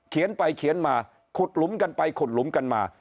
เขียนไปเขียนมาขุดหลุมกันไปขุดหลุมกันมา